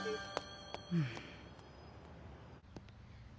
うん。